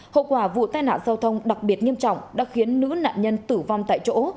hậu quả vụ tai nạn giao thông đặc biệt nghiêm trọng đã khiến nữ nạn nhân tử vong tại chỗ